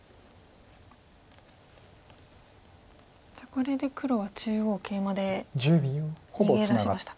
じゃあこれで黒は中央ケイマで逃げ出しましたか。